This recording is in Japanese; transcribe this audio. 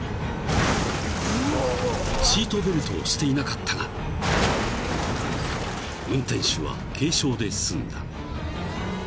［シートベルトをしていなかったが運転手は軽傷で済んだ］